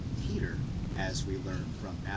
Peter, as we learn from Matt.